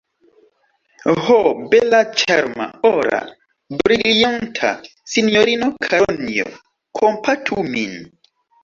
Ho, bela ĉarma, ora, brilianta sinjorino Karonjo, kompatu min!